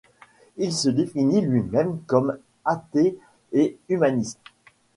Il se définit lui-même comme athée et humaniste.